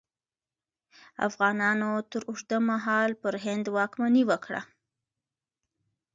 افغانانو تر اوږده مهال پر هند واکمني وکړه.